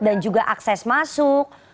dan juga akses masuk